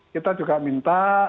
kita juga minta